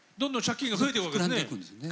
膨らんでいくんですよね。